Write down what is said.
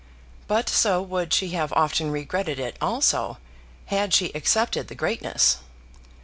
But so would she have often regretted it, also, had she accepted the greatness.